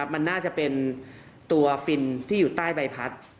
มันน่าจะเป็นตัวฟินที่อยู่ใต้ใบพัด